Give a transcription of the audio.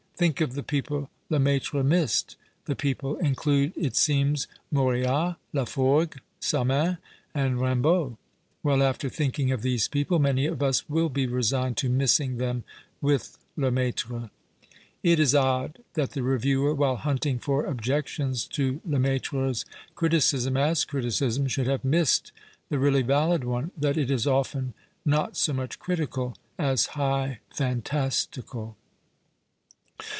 " Think of the people Lemaitre missed." The peoi)le in clude, it seems, Moreas, Laforgue, Samain, and Rim baud. Well, after thinking of these people, many of us will be resigned to " missing " them with Lemaitre. It is odd that the reviewer, while hunting for objections to Lemaitrc's criticism, as criticism, should have " missed " the really valid one — that it is often not so much critical as *' high fantastical."